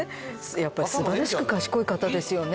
やっぱり素晴らしく賢い方ですよね